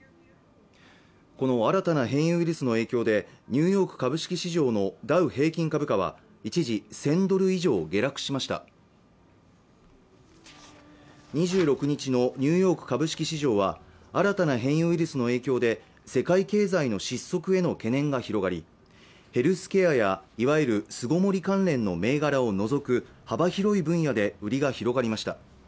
この新たな変異ウイルスの影響でニューヨーク株式市場のダウ平均株価は一時１０００ドル以上下落しました２６日のニューヨーク株式市場は新たな変異ウイルスの影響で世界経済の失速への懸念が広がりヘルスケアやいわゆる巣ごもり関連の銘柄を除く幅広い分野で売りが広がりました